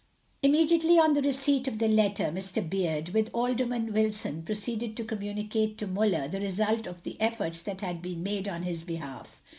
Immediately upon the receipt of the letter, Mr. Beard, with Alderman Wilson, proceeded to communicate to Muller the result of the efforts that had been made on his behalf.